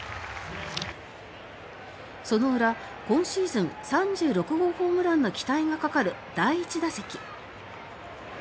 その裏今シーズン３６号ホームランの期待がかかる第１打席。